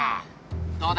どうだ？